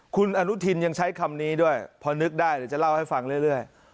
คุณอนุทินยังใช้คำนี้ด้วยพอนึกได้เดี๋ยวจะเล่าให้ฟังเรื่อย